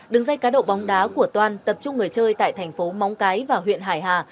đường dây cá độ bóng đá của toan tập trung người chơi tại thành phố móng cái và huyện hải hà